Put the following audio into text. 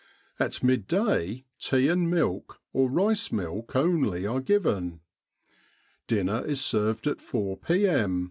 At mid day, tea and milk or rice milk only are given. Dinner is served at 4 p.m.